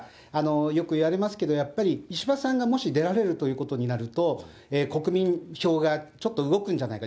よく言われますけど、やっぱり石破さんがもし出られるということになると、国民票がちょっと動くんじゃないか。